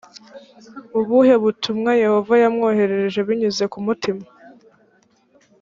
ubuhe butumwa yehova yamwoherereje binyuze ku mutima